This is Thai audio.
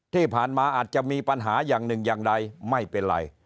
ที่ผ่านมาอาจจะมีปัญหาอย่างหนึ่งอย่างใดไม่เป็นไร